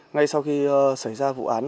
ngay sau khi xảy ra vụ án